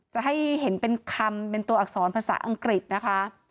จะให้เห็นเป็นคำเป็นตัวอักษรภาษาอังกฤษนะคะ